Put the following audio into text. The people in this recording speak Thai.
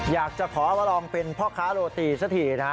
อยากจะขอว่าลองเป็นพ่อค้าโหโนติเสียทีนะ